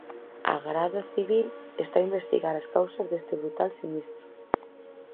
A Grada Civil está a investigar as causas deste brutal sinistro.